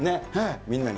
みんなに。